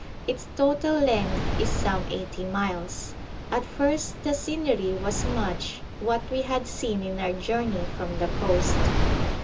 Its total length is some eighty miles. At first the scenery was much what we had seen in our journey from the coast.